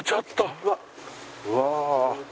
うわ！